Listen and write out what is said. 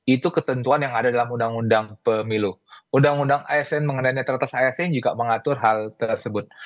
itu ketentuan yang ada dalam undang undang pemilu undang undang asn mengenai netralitas asn juga mengatur hal tersebut